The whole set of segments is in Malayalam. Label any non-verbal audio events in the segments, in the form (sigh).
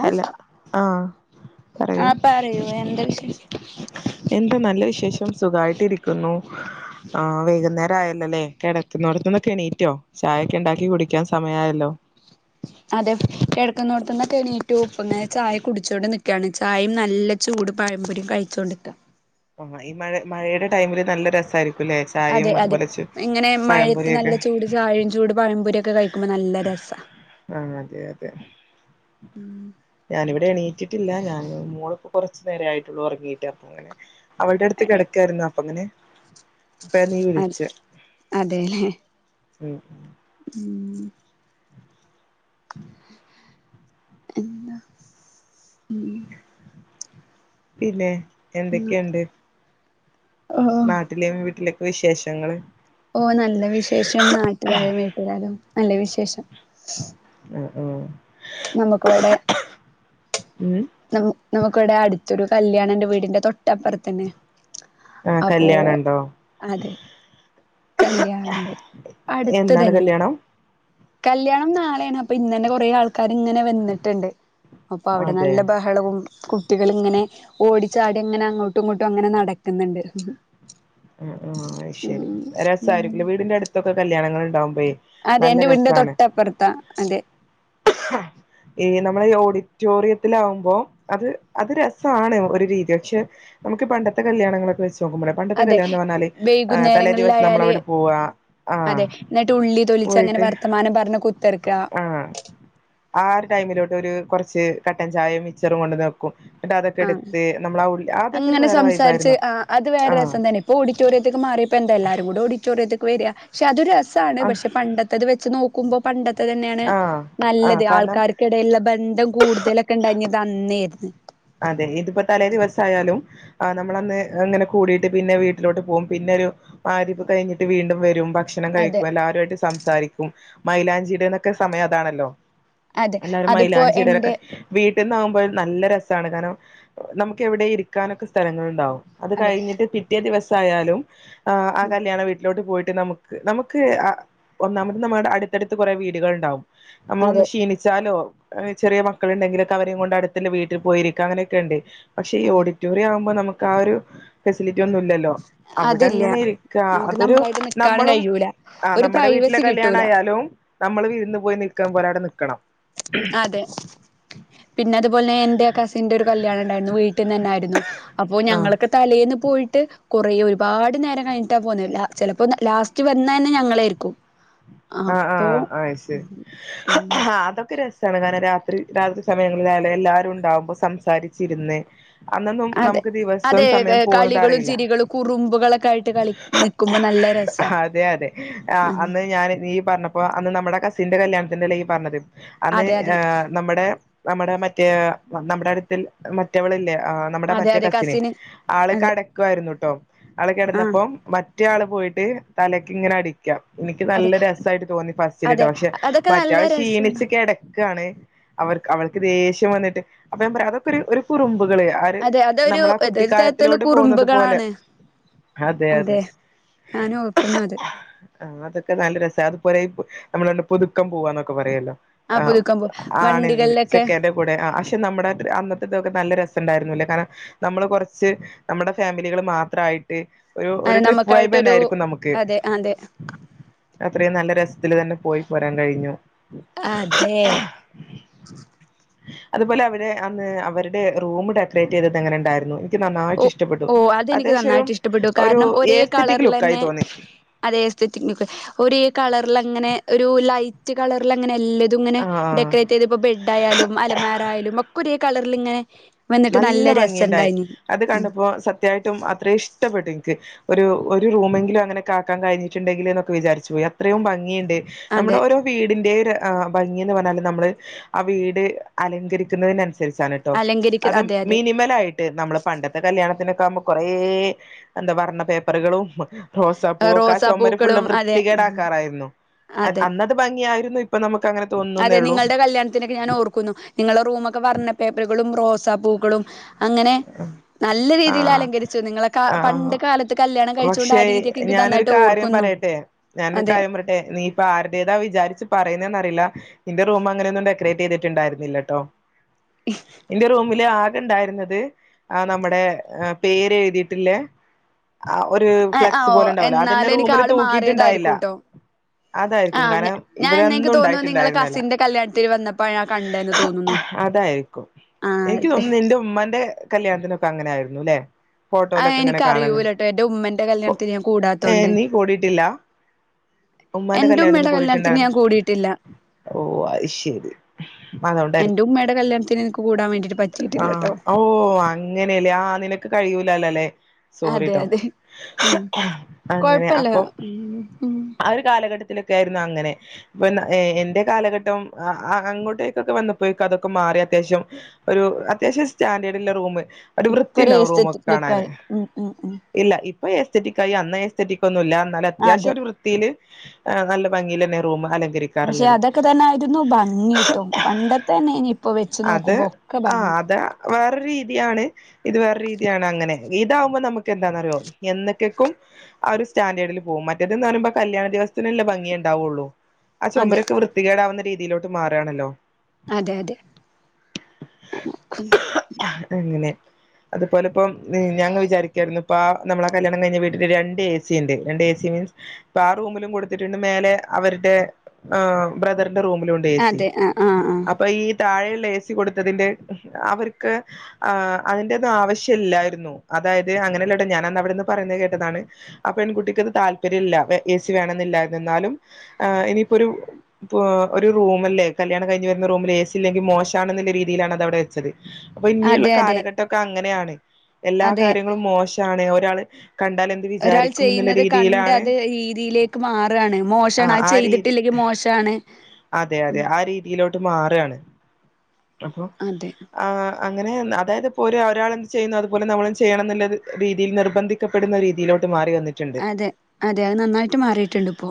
ഹലോ ആഹ് ആ പറയൂ എന്താ വിശേഷം എന്ത് നല്ല വിശേഷം സുഖായിട്ടിരിക്കുന്നു ആഹ് വൈകുന്നേരായല്ലേല്ലേ കെടക്കുന്നോട്ത്ത്ന്നൊക്കെ എണീറ്റോ? ചായൊക്കെ ഇണ്ടാക്കി കുടിക്കാൻ സമയായല്ലോ അതെ കെടക്ക്ന്നോട്ത്ത്ന്നൊക്കെ എണീറ്റു ഇപ്പങ്ങനെ ചായ കുടി ച്ചോണ്ട് നിക്കാണ് ചായിം നല്ല ചൂട് പഴംമ്പൊരിയും കഴിച്ചോണ്ട്ക്കാ ആഹ് ഈ മഴ മഴയുടെ ടൈമില് നല്ല രസായിരിക്കും അതെ അതെ ഇങ്ങനെ മഴയത്ത് പഴംപൊരിയൊക്കെ നല്ല ചൂട് ചായയും ചൂട് പഴംപൊരി ഒക്കെ കഴിക്കുമ്പോ നല്ല രസാ ആഹ് അതെ അതെ ഞാനിവിടെ എണീറ്റിട്ടില്ല ഞാൻ മോളിപ്പം കൊറച്ചു നേരെ ആയിട്ടൊള്ളൂ ഒറങ്ങിയിട്ട് അപ്പ ഇങ്ങനെ അവൾടെ അടുത്ത് കെടക്കായിരുന്നു അപ്പ ഇങ്ങനെ അപ്പെയാ നീ അ വിളിച്ചെ അതെല്ലേ ഉം ഉം (unintelligible) എന്താ ഉം പിന്നെ എന്തെക്കെയ്ണ്ട്? ഓ നാട്ടിലേം, വീട്ടിലെക്കെ വിശേഷങ്ങള്? ഓഹ് നല്ല വിശേഷം നാട്ടീലായും വീട്ടിലായാലും നല്ല വിശേഷം ആഹ് ആഹ് നമ്മുക്ക് ഇവിടെ ഉം ന നമുക്ക്‌ ഇവിടെ അടുത്തൊരു കല്യാണം ഉണ്ട് വീടിന്റെ തൊട്ടപ്പുറത്തന്നെ ആ അപ്പോ കല്യാണം ഉണ്ടോ അതെ കല്യാണണ്ട് അടുത്ത് എന്നാണ് തന്നെ കല്യാണം കല്യാണം നാളെയാണ് അപ്പൊ ഇന്നന്നെ കൊറേ ആൾക്കാർ ഇങ്ങനെ വന്നിട്ടുണ്ട് അപ്പൊ അവിടെ അതെ നല്ല ബഹളവും കുട്ടികളിങ്ങനെ ഓടി ചാടി അങ്ങനെ അങ്ങോട്ടും ഇങ്ങോട്ടും അങ്ങനെ നടക്കുന്നുണ്ട് ആഹ് ആഹ് അത് ശരി ഉം രസമായിരിക്കുല്ലേ വീടിന്റെ അടുത്തൊക്കെ കല്യാണങ്ങൾ ഉണ്ടാവുമ്പയേ അതെ എന്റെ വീടിന്റെ തൊട്ടപ്പുറത്താ അതെ (unintelligible) ഈ നമ്മളെഈ ഓഡിറ്റോറിയത്തിലാകുമ്പോ അത് അത് രസാണ് ഒരു രീതി പക്ഷെ നമുക്ക് പണ്ടത്തെ കല്യാണങ്ങളൊക്കെ വെച്ച് നോകുമ്പളെ പ ണ്ടത്തെ അതെ കല്യാണം എന്ന് പറഞ്ഞാല് തലേ ദിവസം നമ്മൾ വൈകുന്നേരങ്ങളിലായാല് അവിടെ പോവാ ആഹ് അതെ എന്നിട്ട് ഉള്ളി തൊലിച്ച് അങ്ങനെ പോയിട്ട് വർത്തമാനം പറഞ്ഞ് കുത്തിർക്ക ആഹ് ഒരു ടൈമിലോട്ട് ഒരു കുറച്ച് കട്ടൻ ചായയും മിച്ചറും കൊണ്ടന്ന്‌ ക്കും അതൊക്കെ ആഹ് എടുത്ത് നമ്മൾ ആ ഉ അതൊക്കെ ഒരു അങ്ങനെ വേറെ വൈബ് ആയിരുന്നു ആഹ് ഇപ്പോ ഓഡിറ്റോറിയത്തക്ക് മാറിയപ്പോ ന്താ എല്ലാരും കൂടി ഓഡിറ്റോറിയത്തെക്ക് വര പക്ഷെ അത് രസാണ് ആ പക്ഷെ പണ്ടത്തത് വെച്ച് നോക്കുമ്പോ പണ്ടത്തെ തന്നെയാണ് ആഹ് ആഹ് നല്ലത് കാരണം ആൾക്കാർക് ക്കെടേലുള്ള ബന്ധം കൂടുതലൊക്കെ ഉണ്ടായിഞ്ഞത് അന്നേയിരുന്നു അതെ ഇതിപ്പോ തലേ ദിവസായാലും ആഹ് നമ്മള് അന്ന് അങ്ങനെ കൂടിയിട്ട് പിന്നെ വീട്ടിലോട്ട് പോകും. പിന്നെ ഒരു വരിപ്പ് കഴിഞ്ഞിട്ട് വീണ്ടും വരും ഭ ക്ഷണം അതെ കഴിക്കും എല്ലാവരുമായിട്ട് സംസാരിക്കും മൈലാഞ്ചിയുടെന്നൊക്കെ സമയം അതാണല്ലോ അതെ എല്ലാരും അതിപ്പോ മൈലാഞ്ചിയിടലൊക്കെ എന്റെ വീട്ടിൽ നിന്നാകുമ്പോൾ നല്ല രസമാണ് കാരണം നമുക്ക് എവിടെ ഇരിക്കാനൊക്കെ സ്ഥലങ്ങളുണ്ടാവും. അത് അതെ കഴിഞ്ഞിട്ട് പിറ്റേ ദിവസം ആയാലും ആ കല്യാണ വീട്ടിലോട്ട് പോയിട്ട് നമുക് ക്ക് നമുക്ക് ഒന്നാമത് നമ്മുടെ അടുത്തടുത്ത് കുറെ വീടുകൾ ഉണ്ടാവും നമ്മളൊന്ന് അതെ ക്ഷീണിച്ചാലോ ചെറിയ മക്കളുണ്ടെങ്കിലൊക്കെ അവരെയും കൊണ്ട് അടുത്തുളള വീട് ൽ പോയിരിക്ക അങ്ങനൊക്കെ ഉണ്ട് പക്ഷെ ഈ ആ ഓഡിറ്റോറിയം ആവുമ്പോ നമുക്ക് ആ ഒരു ഫെസിലിറ്റി ഒന്നും ഇല്ലല്ലോ അവിടെ അതില്ല അങ്ങനെ ഇരിക്കാ നമുക്ക് അതൊരു നമ്മളായിട്ട് നിക്കാനും നമ്മളും കഴിയൂല ഒരു നമ്മുടെ വീട്ടിലെ പ്രൈവസി കല് കിട്ടൂല ല്യാണയാലും നമ്മള് വിരുന്ന് പോയി നിൽക്കാൻ പോലെ അവിടെ നൽക്കണം അതെ പിന്നെ അതുപോലെ എന്റെ കസിന്റെ ഒരു കല്യാണം ഉണ്ടായിരുന്നു വീട്ടിൽ നിന്ന് തന്നായിരുന്നു. അപ്പൊ ആഹ് ഞങ്ങൾകെ തലേന്ന് പോയിട്ട് കുറേ ഒരുപാട് നേരം കഴഞ്ഞിട്ടാ പോന്ന് ചിലപ്പോ ലാസ്റ്റ് വന്ന തന്നെ ഞങ്ങള് ആരിക്കും. ആഹ് ആഹ് അത് ശരി ഉം ഉം അതൊക്കെ രസ ണ് രാത്രി രാത്രി സമയങ്ങളിൽ ആയാലും എല്ലാവരും ഉണ്ടാവുമ്പോ സംസാരിച്ചിരുന്ന് അന്നൊന്നും അതെ നമുക്ക് ദിവസം അതെ സമയം പോകുന്നത് കളികളും അറിയില്ല. ചിരികളും കുറുമ്പുകളൊക്കെ ആയിട്ട് കളി നിക്കുമ്പോ നല്ല രസാ അതെ അതെ ആഹ് അന്ന് ഞാന് നി പറഞ്ഞപ്പോ അന്ന് നമ്മുടെ കസിന്റെ കല്യാണത്തിന്റെ അല്ലേ ഈ പറഞ്ഞത് അന്ന് അതെ അതെ അതെ നമ്മുടെ നമ്മുടെ മറ്റേ നമ്മുടെ അടുത്തിൽ മറ്റവള് ല്ലേ ആഹ് നമ്മുടെ അതെ മറ്റേ അതെ കസിന് ആൾ അതെ കെടക്കായിരുന്നു ട്ടോ ആള് ആഹ് കിടന്നപ്പോ മറ്റെ ആള് പോയിട്ട് തലക്ക് ഇങ്ങനെ അടിക്കാം. എനിക്ക് അതെ നല്ല രസ് സായിട്ട് തോന്നി അതെ ഫസ്റ്റിലത്തെ പക്ഷെ അതൊക്കെ നല്ല മറ്റാള് രസാണ് ക്ഷീണിച്ച് കെട ക്കാണ് അവൾക്ക് ദേഷ്യം വന്നിട്ട് അപ്പ ഞാൻ പറയാ അതൊക്കെ ഒരു കുറുമ്പുകള് ഒരു അതെ അതൊരു നമ്മളാ അതൊരു തരത്തിലുള്ള കുട്ടിക്കാലത്തിലോട്ട് പോകുന്നത് പോലെ കുറുമ്പുകളാണ്. അതെ, ഞാനു ഓർക്കുന്നു അത്. ആഹ് അതൊക്കെ നല്ല രസ അത് പോലെ ഇപ് നമ്മളണ്ട് പുതുക്കം പോവാന്നൊക്കെ പറയല്ലോ. ആ ആഹ് പുതുക്കം പോ ആണിൻ്റെ വണ്ടികളിലൊക്കെ ചെക്കൻ്റെ കൂടെ ആഹ് പക്ഷെ നമ്മടെ തി (unintelligible) അന്നത്തെതൊക്കെ നല്ല രസംണ്ടായിരുന്നുന്നല്ലേ. കാരണം നമ്മള് കൊറച്ച് നമ്മുടെ ഫാമിലികള് മാത്രായി (unintelligible) ഒരു അത് ഒരു ട്രിപ്പ് വയ്ബെന്നെ നമുക്കായിട്ടൊരു ആയിരിക്കും നമുക്ക് അതെ അത്രയും നല്ല രസ്ത്തില് തന്നെ പോയി പോരാൻ കഴിഞ്ഞു. അതെ അതുപോലെ അവരെ അന്ന് അവരുടെ റൂമ് ഡെക്കറേറ്റ് ചെയ്തത് എങ്ങനെണ്ടായിരുന്നു. ക്ക് ഓ നന്നായിട്ട് ഇഷ്ടപ്പെട്ടു. ഓ അതെനിക്ക് അത്യാവശ്യൊരു നന്നായിട്ട് ഇഷ്ടപ്പെട്ടു ഒരു ഏസ്തറ്റിക് ലുക്കായി തോന്നി. അതെ എസ്തറ്റിക് നുക്ക് ഒര് കളറ്ലങ്ങനെ ഒരു ലൈറ്റ് കളർലങ്ങനെ എല്ലത് തുങ്ങനെ ഡെക്കറേറ്റെയ്തപ്പൊ ആ ബെഡായാലും അലമാറായാലും ഒക്കെ ഒരേ കളർല്ങ്ങനെ വന്ന്ട്ട് നല്ല രസണ്ടായിനി. അത് ഉം കണ്ടപ്പോ സത്യായിട്ടും അത്ര ഇഷ്ടപ്പെട്ടു ൻക്ക്. ഒരു ഒരു റൂമെങ്കിലും അങ്ങനൊക്കാക്കാൻ കഴിഞ്ഞിട്ടുണ്ടെങ്കില്ന്നൊക്കെ വിചാരിച്ചു പോയി. അത്രയും ഭംഗിയുണ്ട് നമ്മുടെ അതെ ഒരോ വീടിന്റെ ര് ആഹ് ഭംഗിന്ന് പർഞ്ഞാല് നമ്മള് ആ വീട് അലങ്കരിക്കുന്നതിനനുസരിച്ചാണ്. അലങ്കരി അതും മീനിമലായി ഏഹ് നമ്മള് പണ്ടത്തെ കല്ല്യാണത്തിനൊക്കെ ആമ്പോ കൊറേ എന്താ വർണ്ണ പേപ്പറുകളും റോസാപ്പൂവൊക്കെ ആ റോസാ ചൊമര് ഫുള്ള് പൂക്കളും അതെ വൃത്തികേടാക്കാറായിരുന്നു. അയ് അതെ അന്ന ത് ഭംഗിയായിരുന്നു ഇപ്പം നമുക്ക് അങ്ങനെ അതെ തോന്നുന്നേ ഉള്ളൂ നിങ്ങൾടെ കല്ല്യാൺത്തിനൊക്കെ ഞാനോർക്കുന്നു, നിങ്ങളെ റൂമൊക്കെ വർണ്ണ പേപ്പറ്കളും റോസാ പൂക്കളും അങ്ങനെ നല്ല ആഹ് രീതിയിലലങ്കരിച്ചു. നിങ്ങളെ കാ പണ്ട് ആഹ് കാല പക്ഷെ ഞാനൊരു കാര്യം ഓർക്കുന്നു. പറയട്ടെ ഞാനൊരു അതെ കാര്യം പറെ ട്ടെ നീ ഇപ്പ ആരുടേതാ വിചാരിച്ച് പറയുന്നതന്നറിയില്ല ഇന്റെ റൂം അങ്ങനെയൊന്നും ഡെക്കറേറ്റെയ്തിട്ട്ണ്ടായിരുന്നില്ലട്ടോ, ഇന്റെ റൂമില് ആ കെണ്ടായിര്ന്നത് ആ നമ്മുടെ ഏഹ് പേര് എഴുതിയിട്ടില്ലേ ആ ഒരു ഏഹ് ആഹ് ഫ്ലെക്സ് ഓ പോലെ ഓഫ് ഉണ്ടാവല്ലോ അതന്നെ എന്നാലെനിക്ക് റൂമില് ആള് തൂക്കിയിട്ടുണ്ടായില്ല മാറിയതായിരിക്കും ട്ടോ അതായിരിക്കും ആഹ് ഞാ കാരണം ഞാൻ ന്നേക്ക് ഇവിടെന്നും തോന്നു നിങ്ങളെ ഉണ്ടായിട്ടുണ്ടായിരുന്നില്ല കസിന്റെ കല്ല്യാൺത്തിന് വന്നപ്പോഴാ കണ്ടെന്ന് തോന്നുന്നു അതായിരിക്കും ആഹ് എനിയ്ക്ക് അതെ തോന്നുന്നു നിന്റെ ഉമ്മാന്റെ കല്ല്യാൺത്തിനൊക്കെ അങ്ങനെ ആയിരുന്നു ലെ ആഹ് ഫോട്ടോയിലൊക്കെങ്ങനെ കാണന്ന് എനിക്കറിയൂലട്ടോ എന്റെ ഉമ്മന്റെ കല്ല്യാൺത്തിന് ഞാൻ കൂടാത്തോണ്ട് നീ കൂടിയിട്ടില്ല ഉമ്മാന്റെ എന്റുമ്മെടെ കല്യാണത്തിന് കല്ല്യാൺത്തിന് കൂടിയിട്ടുണ്ടായിരുന്നോ ഞാൻ കൂടിയിട്ടില്ല ഓ അത് ശരി എന്റെ അതോണ്ടായിരിക്കും ഉമ്മയുടെ കല്ല്യാൺത്തിനെനിക്ക് കൂടാൻ വേണ്ടിട്ട് പറ്റിയിട്ടില്ലട്ടോ ഓഹ് അങ്ങനെയലേ ആഹ് നിനക്ക് കഴിയൂലാലല്ലേ അതെ സോറിട്ടോ അതെ ഉം അങ്ങനെ കൊഴപ്പല്ല, അപ്പം ഉം ഉം ആ ഒരു കാലഘട്ടത്തിലൊക്കെ ആയിരുന്നു അങ്ങനെ പ്പൊന്ന ഏ എന്റെ കാലഘട്ടം അ അ അങ്ങോട്ടേക്കൊക്കെ വന്നപ്പോഴേക്കും അതൊക്കെ മാറി അത്യാവശ്യം ഒരു അത്യാവശ്യം സ്റ്റാൻഡേർഡില്ലെ റൂമ് ഒരു ഇപ്പൊ വൃത്തി ര് ഉണ്ടാവും റൂമൊക്കെ എസ്ഥറ്റിക് കാണാന് ലുക്കായി ഉം ഉം ഉം ഇല്ല ഇപ്പൊ എസ്തറ്റിക്കായി അന്ന് എസ്തറ്റിക്കൊന്നും ഇല്ല എന്നാലും അത്യാവശ്യം അതെ ഒരു വൃ ത്തീല് നല്ല ഭംഗിയിലെന്നെ റൂമ് അലങ്കരി പക്ഷെ അതൊക്കെ തന്നെ ആയിരുന്നു ഭംഗിയിട്ടൊ. പണ്ടത്തെന്നെയ്നി ഇപ്പ വെച്ചു നോക്കുമ്പോ ഒക്ക ഭംഗി അഅ് വേറ രീതിയാണ് ഇത് വേറെ രീതിയാണ് അങ്ങനെ ഇതാകുമ്പോ നമുക്ക് ന്താന്നറിയോ എന്നക്കെക്കും ആ ഒരു സ്റ്റാൻഡേർഡില് പോവും. മറ്റേത്‌ന്നറീമ്പോ കല്യാണ ദിവസത്തിനല്ലേ ഭംഗി ണ്ടാവുള്ളൂ. അ അതെ ചൊമരൊക്കെ വൃത്തികേടാവുന്ന രീതിയിലോട്ട് മാറാണല്ലോ അതെ അതെ (inaudible) (unintelligible) ങ്ങനെ അതുപോലെപ്പം ന് ഞാൻങ്ങ വിചാരിക്കായിരുന്നു പ്പാ നമ്മളെ കല്യാണം കഴിഞ്ഞ വീട്ടില് രണ്ടേസിണ്ട്. രണ്ടേസി മീൻസ് പാ റൂമിലും കൊടുത്തിട്ടുണ്ട് മേലെ അവരുടെ ആ ബ്രദറിന്റെ റൂമിലു ണ്ടേസി അതെ ആഹ് ആഹ് ആഹ് അപ്പൊ ഈ താഴെയുള്ള ഏസി കൊടുത്തതിന്റെ അവർക്ക് ആഹ് അതിന്റൊന്നും ആവശ്യ ല്ലായിരുന്നു. അതായത് അങ്ങ നെല്ലെ ട്ടൊ ഞാനന്നവിടുന്ന് പറേന്ന കേട്ടതാണ് ആ പെൺകുട്ടിക്ക് ത് താല്പര്യം ല്ല എ എ സി വേണെന്നില്ല ത്‌ ന്നാലും ആഹ് എനിപ്പൊരു പ്പൊ ഒരു റൂമല്ലേ കല്യാണം കഴിഞ്ഞ് വരുന്ന റൂമിലെസി ല്ലെങ്കി മോശാണെന്നുള്ള രീതിയിലാണതവടെ വെച്ചത്. അപ്പൊ ഇന്നിള്ള അതെ അതെ കാലഘട്ടൊക്ക ങ്ങനെയാണ് എല്ലാ അതെ കാര്യങ്ങളും മോശ താണെ ഒരാള് കണ്ടാല് ഒരാൾ ചെയ്യുന്നത് കണ്ട് അത് രീതിയിലേക്ക് മാറാണ് ആ മോശാണ് അഅ് ആ രീതി ചെയ്തിട്ടില്ലെങ്കി മോശാണ് അതെ അതെ ആ രീതിയിലോട്ട് മാറാണ്. അപ്പൊ അതെ ആഹ് അങ്ങനെ അതായത് പ്പോ ഒര ഒരാളെന്ത് ചെയ്യുന്നു അതുപോലെ നമ്മളും ചെയ്യണം ന്നുള്ളൊരു രീതില് നിർബന്ധി ക്കപ്പെടുന്ന രീതിയിലോട്ട് മാറി വന്നി ട്ടിണ്ട്. അതെ അതെ അത് നന്നായിട്ട് മാറിയിട്ടുണ്ട് ഇപ്പോ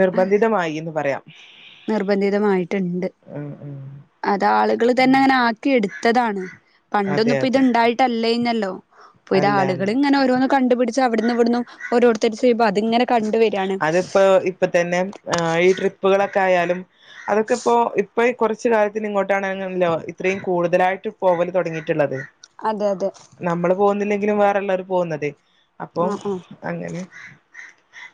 നിർബന്ധിതമായി ന്ന് പറയാം. നിർബന്ധിതമായിട്ട്ണ്ട്. ഉം ഉം അതാള് കള് തന്നെ ങ്ങനാക്കി എടുത്തതാണ് അതെ പണ്ടൊന്നുപ്പ അതെ ത്ണ്ടായിട്ടല്ലേയ്നല്ലോ. പ്പൊ അല്ല അല്ല ഇതാള്കള് ങ്ങനോരോന്ന് കണ്ടു പിടിച്ച് അവിടുന്നു വിട്ന്നു ഓരോരുത്തര് ചെയ്മ്പൊ അത്ങ്ങനെ അതിപ്പോ ഇപ്പ തന്നെ അ ഈ ട്രിപ്പുകളൊക്കായാലും അതൊക്കെപ്പോ ഇപ്പയ് കൊറച്ച് കാലത്തിന്നിങ്ങോട്ടാണ് ങ്ങനല്ലോ ഇത്രയും കൂടുതലായിട്ട് പോവൽ തൊടങ്ങിട്ടുള്ളത് അതെ അതെ നമ്മള് പോകുന്നില്ലെങ്കിലും വേറെള്ളവർ പോകുന്നതെ അപ്പൊ ആഹ് ആഹ് അങ്ങനെ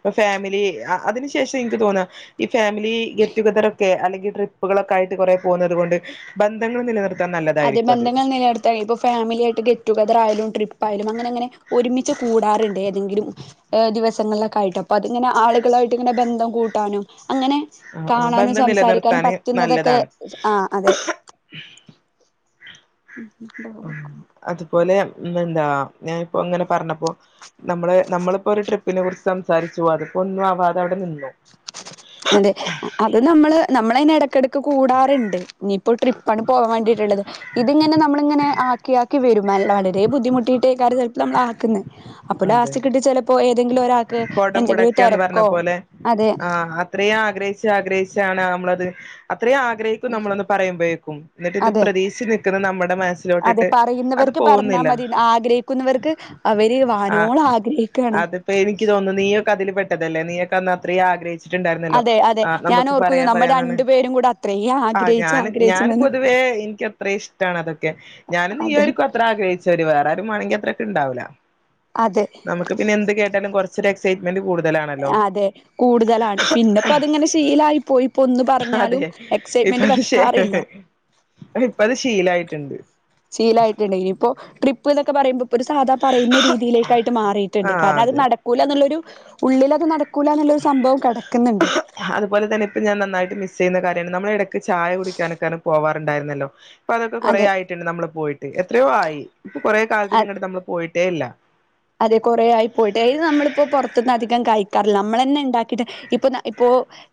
പ്പ ഫാമിലി അ അതിന് ശേഷം എനിക്ക് തോന്ന ഈ ഫാമിലി ഗെറ്റുഗദറൊക്കെ അല്ലെങ്കി ട്രിപ്പുകളൊക്കായിട്ട് കൊറെ പോന്നത് കൊണ്ട് ബന്ധങ്ങൾ നില നിർ അതെ ബന്ധങ്ങൾ നിലട് ത്ത ഇപ്പോ ഫാമിലിയായിട്ട് ഗെറ്റ് ടുഗെതറായാലും ട്രിപ്പായാലും അങ്ങനെ അങ്ങനെ ഒരുമിച്ച് കൂടാറുണ്ടേതെങ്കിലും ഏ ദിവസങ്ങളിലൊക്കായിട്ട പ്പതിങ്ങനെ ആളുകളായിട്ടങ്ങനെ ബന്ധം കൂട്ടാനും അങ്ങനെ ആ ആ കാണാനും ബന്ധം സംസാരിക്കാനും നിലനിർത്താന് പറ്റുന്നതൊക്കെ നല്ലതാണ് ആഹ് അതെ ഉം ഉം അതുപോലെ ന്നെന്താ ഞാനിപ്പോ അങ്ങനെ പർഞ്ഞപ്പൊ നമ്മള് നമ്മള്പ്പൊരു ട്രിപ്പിനെ കുറിച്ച് സംസാരിച്ചു അതിപ്പൊ ന്നുവാതവിടെ നിന്നു. അതെ അത് നമ്മള് നമ്മളെന്നെ എടക്കെടക്ക് കൂടാറ്ണ്ട്. ഞ്ഞിപ്പോ ട്രിപ്പാണ് പോവാണ്ടീട്ട് ള്ളത്. ഇതിങ്ങനെ നമ്മളിങ്ങനെ ആക്കിയാക്കി വരും നൽ വളരെ ബുദ്ധിമുട്ടിയിട്ടേക്കാര് (unintelligible) നമ്മളാക്ക്ന്ന് അപ്പോ അതെ ലാസ്റ്റ് കിട്ടി ചെലപ്പോ ഏതെങ്കിലും ഒരാക്ക് എന്തെങ്കിലും തെരക്കോ ആഹ് അത്രയ് ആഗ്രഹിച്ചാ ഗ്രഹിച്ചാണ് നമ്മളത് അത്രയ് ആഗ്രഹി നമ്മളൊന്ന് പറയുമ്പോഴേക്കും എന്നിട്ട് ഇത് അതെ പ്രതീക്ഷച്ച് നിക്കുന്ന നമ്മുടെ അതെ മനസ്സിലോട്ടിട്ട് അത് പറയുന്നവർക്ക് പറഞ്ഞാൽ പോകുന്നില്ല മതി ആഗ്രഹിക്കുന്നവർക്ക് അവര് വാനോളം ആഗ്രഹിക്കയാണ് അപ്പ എനിക്ക് തോന്ന നീയൊക്കെ അതില് പെട്ടതല്ലേ നീയക്കെന്ന് അത്രയും ആഗ്രഹിച്ചു ണ്ടായിരുന്നല്ലോ അതെ അതെ ആഹ് ഞാൻ നമുക്ക് ഓർക്കുന്നു പറയാ നമ്മൾ പറയാന്നെ രണ്ടു പേരും കൂടെ അത്രയും ആഹ് ആഗ്രഹിച്ച് ഞൻ ആഗ്രഹിച്ച് ഞാൻ നിന്ന് പൊതുവേ എത്ര ഇഷ്ടമാണ് അതൊക്കെ ഞാന് ഈ അതെ ഒരു അത്ര ആഗ്രഹിച്ചവര് വേറെരു വേമെങ്ക അത്രക്ക ഉണ്ടാവില്ല അതെ നമുക്ക് പിന്നെന്ത് കേട്ടാലും കുറച്ച് എക്സൈറ്റ്മെന്റ് കൂടുതലാണ്. അതെ കൂടുതലാണ് പിന്നെപ്പോ അതിങ്ങനെ ശീലായി പോയി ഇപ്പൊ ഒന്നു അതെ പറഞ്ഞാലും എക്സൈറ്റ്മെന്റ് വെക്കാറില്ല അ ഇപ്പത് ശീലായിട്ടുണ്ട് ശീലായിട്ടുണ്ട് ഇനി ഇപ്പോ ട്രിപ്പ് എന്നക്കെ പറയുമ്പോ ഒരു സാധാ പറയുന്ന രീതിയിലേക്കായിട്ട് മാറിയിട്ടുണ്ട് ആഹ് കാരണം അതെ അത് നടക്കൂല എന്നുള്ളരു ഉള്ളിൽ അത് നട ക്കൂല എന്നൊരു സംഭവം കിടക്കുന്നുണ്ട് അതുപോലെ തന്നെ ഇപ്പൊ ഞാ നന്നായിട്ട് മിസ് ചെയ്യുന്ന കാര്യമാണ് നമ്മുടെ ഇടക്ക് ചായ കുടിക്കാനൊക്കെയാണ് പോവാറുണ്ടായിരന്നല്ലോ അപ്പൊ അതൊക്കെ കൊറേ അതെ ആയ് നമ്മള് പോയിട്ട് എത്രയോ ആയി ഇപ്പൊ കൊറെേ അ കാലത്തിന് ഇങ്ങോട്ട് നമ്മള് പോയിട്ടേ ഇല്ല അതെ കുറേ ആയി പോയിട്ട് ത് നമ്മളിപ്പോ പുറത്തുന്ന് അധികം കഴിക്കാറില്ല നമ്മളന്നെ ഉണ്ടാക്കിയിട്ട് ഇപ്പൊ ന ഇപ്പോ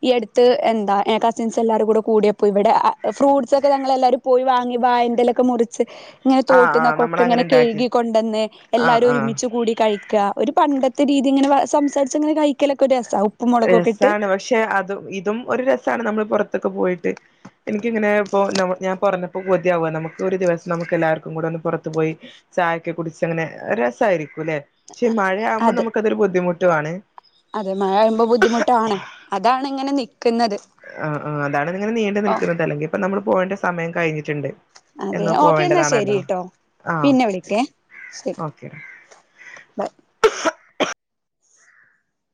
ഈ അടുത്ത് എന്താ കസിൻസ് എല്ലാവരും കൂടെ കൂടിയപ്പോ ഇവിടെ ഫ്രൂട്ട്സ് ഒക്കെ ഞങ്ങളെല്ലാരും പോയി വാങ്ങി വായന്റലൊക്കെ മുറിച്ച് ഇങ്ങനെ ആഹ് ആഹ് തോട്ട്ന്നൊക്കൊ നമ്മള് അങ്ങനെ ഒക്കെങ്ങനെ ഇണ്ടാക്കി കഴുകി കൊണ്ടന്ന് ആഹ് എല്ലാരും ആഹ് ഒരുമി കൂടി കഴിക്ക ഒരു പണ്ടത്തെ രീതി ഇങ്ങനെ സംസാരിച്ചങ്ങനെ കഴിക്കലൊക്കെ രസമാവും രസമാണ് പക്ഷെ അതും ഇതും ഒരു രസമാണ് നമ്മൾ പുറത്ത് ക്കെ പോയിട്ട് എനിക്കിങ്ങനെ ഇ ഞാൻ പറഞ്ഞ ഇപ്പോ കൊതിയാവ നമുക്ക് ഒരുദിവസം നമുക്ക് എല്ലാവർക്കും കൂടെ ഒന്ന് പുറത്തു പോയി ചായക്കെ കുടിച്ച് അങ്ങനെ രസായിരിക്കൂല്ലേ പക്ഷെ മഴയാമ്പോ അതെ നമുക്കതൊരു ബുദ്ധിമുട്ടുംണ് അതെ മഴ വഴുമ്പോ ബുദ്ധിമുട്ടാണ് അതാണ് ഇങ്ങനെ നിക്കുന്നത്. ആഹ് ആഹ് അതാണ് ഇങ്ങനെ നീണ്ടു ഓ നിൽക്കുന്നത് അല്ലെങ്കിൽ ഇപ്പൊ നമ്മൾ പോയേന്റെ സമയം കഴിഞ്ഞിട്ടുണ്ട് അതെ എന്നോ ഓക്കെ എന്നാ പോവേണ്ടതാണല്ലോ ശരിട്ടോ ആഹ് പിന്നെ ഓക്കേ വിളിക്കേ ശരി ഓക്കേ ബൈ